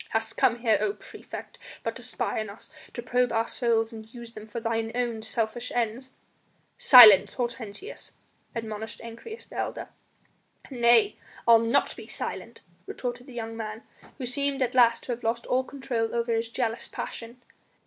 "Hast come here, O praefect, but to spy on us, to probe our souls and use them for thine own selfish ends?" "Silence, Hortensius!" admonished Ancyrus, the elder. "Nay, I'll not be silent!" retorted the young man, who seemed at last to have lost all control over his jealous passion.